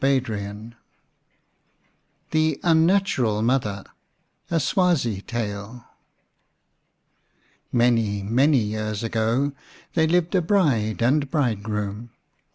57 VI THE UNNATURAL MOTHER A SWAZI TALE MANY, many years ago there lived a bride and bridegroom.